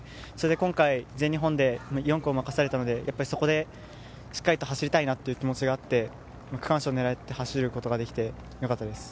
今回、全日本で４区を任されたのでそこでしっかりと走りたいなという気持ちがあって区間賞を狙って走ることができて良かったです。